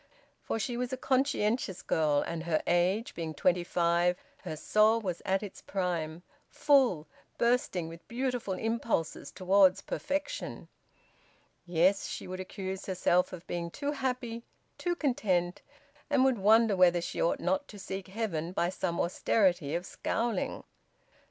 For she was a conscientious girl, and her age being twenty five her soul was at its prime, full, bursting with beautiful impulses towards perfection. Yes, she would accuse herself of being too happy, too content, and would wonder whether she ought not to seek heaven by some austerity of scowling.